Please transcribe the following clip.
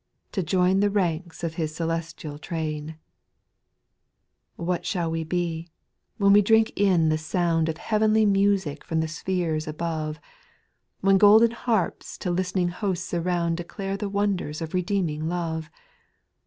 To join the ranks of His Celestial train ! 3. What shall we be, when we drink in the sound Of heavenly music from the spheres above. When golden harps to listening hosts around Declare the wonders of redeeming love